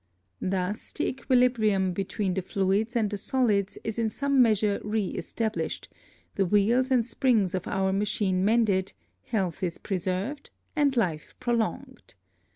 Thus the Equilibrium between the Fluids and the Solids is in some measure re establish'd, the Wheels and Springs of our Machine mended, Health is preserved, and Life prolonged.